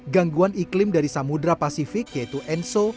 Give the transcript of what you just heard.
gangguan iklim dari samudera pasifik yaitu enso